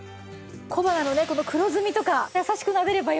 小鼻のねこの黒ずみとか優しくなでればいいわけですね。